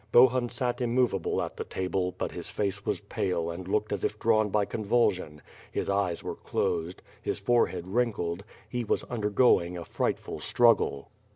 Bohun sat immovable at the table, but his face was pale and looked as if drawn by convulsion; his eyes were closed, his forehead wrinkled; he was under going a frightful struggle.